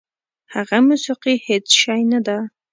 هغه موسیقي هېڅ شی نه ده.